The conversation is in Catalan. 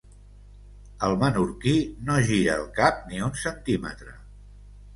El menorquí no gira el cap ni un centímetre.